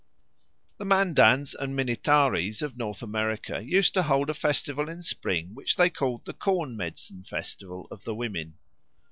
The Mandans and Minnitarees of North America used to hold a festival in spring which they called the corn medicine festival of the women.